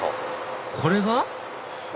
これが？